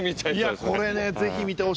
いやこれねぜひ見てほしいです。